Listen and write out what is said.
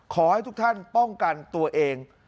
ขอให้ทุกท่านป้องกันตัวเอง